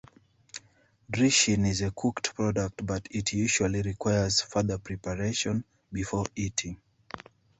Drisheen is a cooked product but it usually requires further preparation before eating.